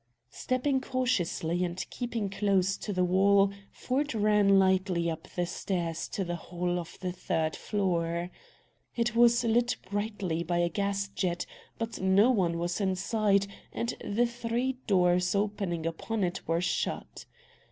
Stepping cautiously, and keeping close to the wall, Ford ran lightly up the stairs to the hall of the third floor. It was lit brightly by a gas jet, but no one was in sight, and the three doors opening upon it were shut.